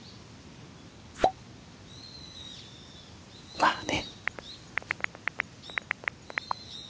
まあね。